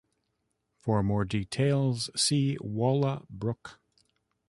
For more details see Walla Brook.